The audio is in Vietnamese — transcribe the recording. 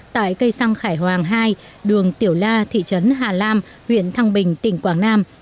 tại cây xăng khải hoàng hai đường tiểu la thị trấn hà lam huyện thăng bình tỉnh quảng nam